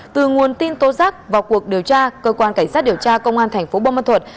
từ nguồn tin tố giác và cuộc điều tra cơ quan cảnh sát điều tra công an tp bông ma thuột